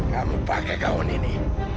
kamu pakai gaun ini